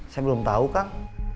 saya belum tau kang